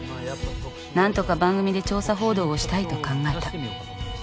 何とか番組で調査報道をしたいと考えた。